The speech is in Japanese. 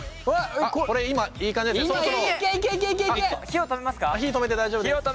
火止めて大丈夫です。